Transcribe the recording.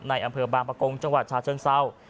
อำเภอบางประกงจังหวัดชาเชิงเศร้า